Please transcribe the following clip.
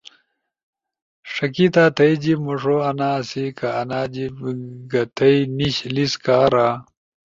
ݜکیتا تھئی جیِب مُوݜو آنا آسی۔۔ کہ آنا جیِب گتھئی نیِش لیس کارا